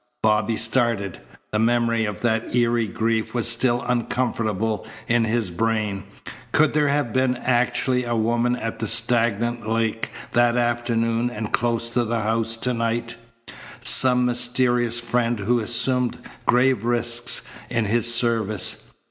Bobby started. The memory of that eerie grief was still uncomfortable in his brain. Could there have been actually a woman at the stagnant lake that afternoon and close to the house to night some mysterious friend who assumed grave risks in his service?